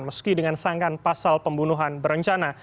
meski dengan sanggan pasal pembunuhan berencana